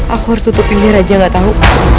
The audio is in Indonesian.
aku harus tutup pilih raja gak tau